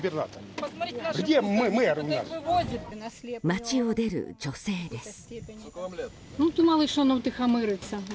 街を出る女性です。